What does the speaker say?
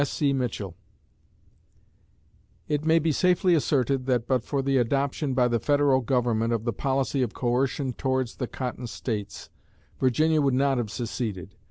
S. C. MITCHELL It may be safely asserted that but for the adoption by the Federal Government of the policy of coercion towards the Cotton States, Virginia would not have seceded....